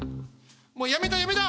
もうやめだやめだ！